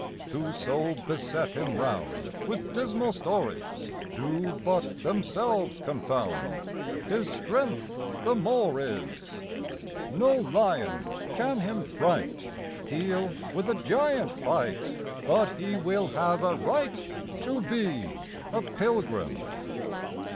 "Whoso beset him round With dismal stories, Do but themselves confound His strength the more is. No lion can him fright; He'll with a giant fight, But he will have a right To be a pilgrim.